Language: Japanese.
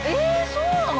そうなの？